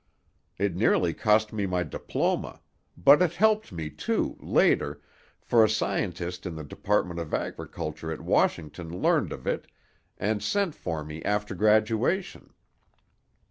It nearly cost me my diploma; but it helped me too, later, for a scientist in the Department of Agriculture at Washington learned of it, and sent for me after graduation.